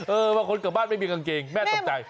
บางคนกลับบ้านไม่มีกางเกงแม่ตกใจ